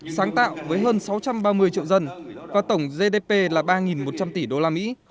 sáng tạo với hơn sáu trăm ba mươi triệu dân và tổng gdp là ba một trăm linh tỷ usd